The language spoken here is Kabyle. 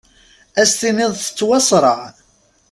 As-tiniḍ tettwasraɛ.